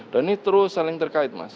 dan ini terus saling terkait mas